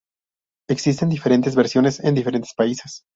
Existen deferentes versiones en diferentes países.